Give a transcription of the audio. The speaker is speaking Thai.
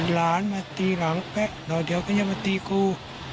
หลานมาตีหลังแป๊ะเราเดี๋ยวก็ยังไม่ตีครู